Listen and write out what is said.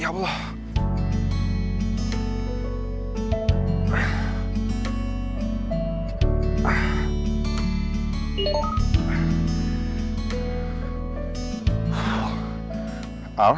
tapi aku harus turun